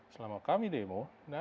selama kami demo ada yang boleh